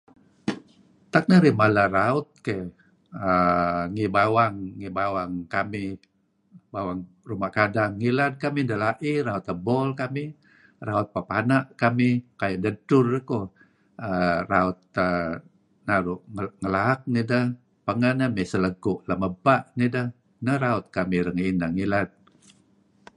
Tak narih mala raut keh err ngi bawang kamih bawang ruma' kadang ngilad, kamih dela'ih raut ebol kamih, raut pepana' kamih, kayu' dedtur eh koh err raut err naru' ngelaak nideh pengeh mey selegku' lem ebpa' nideh. Neh raut kamih renga' ineh ngilad.